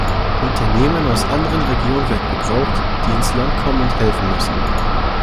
Unternehmen aus anderen Regionen werden gebraucht, die ins Land kommen und helfen müssen.